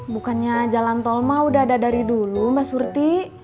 bukannya jalan tol mah udah ada dari dulu mbak surti